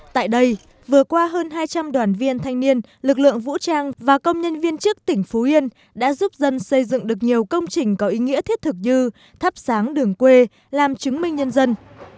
tại đây vừa qua hơn hai trăm linh đoàn viên thanh niên lực lượng vũ trang và công nhân viên chức tỉnh phú yên đã giúp dân xây dựng được nhiều công trình có ý nghĩa thiết thực như thắp sáng đường quê làm chứng minh nhân dân